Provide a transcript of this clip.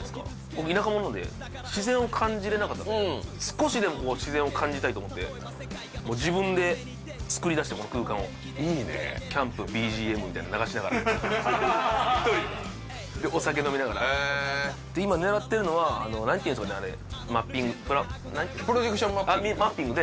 僕田舎もんなんで自然を感じれなかったうん少しでも自然を感じたいと思って自分でつくりだしてこの空間をいいねえ「キャンプＢＧＭ」みたいなの流しながら１人ででお酒飲みながらへえで今狙ってるのは何ていうんですかねあれマッピングプラプロジェクションマッピング？